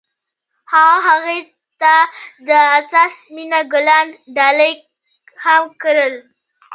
هغه هغې ته د حساس مینه ګلان ډالۍ هم کړل.